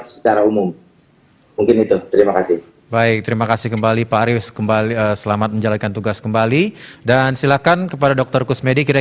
secara umum mungkin itu